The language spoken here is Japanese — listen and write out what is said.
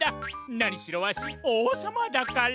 なにしろわしおうさまだから！